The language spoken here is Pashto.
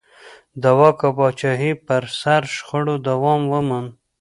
د واک او پاچاهۍ پر سر شخړو دوام وموند.